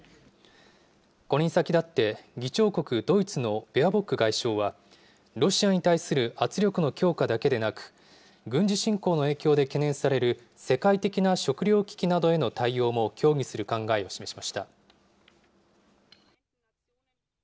これに先立って、議長国、ドイツのベアボック外相は、ロシアに対する圧力の強化だけでなく、軍事侵攻の影響で懸念される世界的な食糧危機などへの対応も競技する考えを示しました。